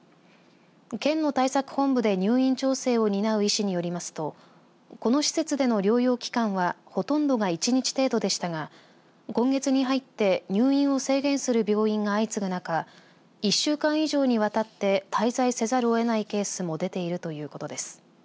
県の対策本部で入院調整を担う医師によりますとこの施設での療養期間はほとんどが１日程度でしたが今月に入って入院を制限する病院が相次ぐ中１週間以上にわたって滞在せざるをえないケースも出ているということです。